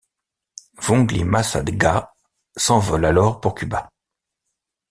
Woungly-Massaga s'envole alors pour Cuba.